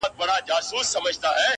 په تور لحد کي به نارې کړم-